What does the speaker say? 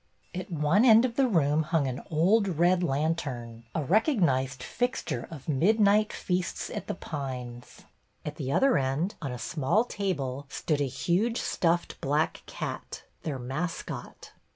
At one end of the room hung an old red lantern, a recognized fixture of midnight feasts at The Pines ; at the other end, on a small table, stood a huge, stuffed black cat, their mascot.